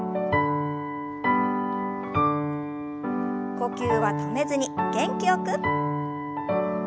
呼吸は止めずに元気よく。